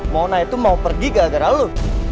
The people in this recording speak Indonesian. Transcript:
mona itu mau pergi gara gara lu